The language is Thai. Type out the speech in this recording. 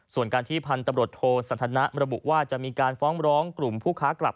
ส่วนการที่พันธุ์ตำรวจโทสันทนะระบุว่าจะมีการฟ้องร้องกลุ่มผู้ค้ากลับ